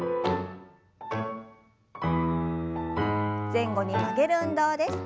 前後に曲げる運動です。